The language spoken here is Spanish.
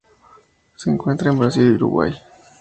Se encuentra en Brasil y Uruguay.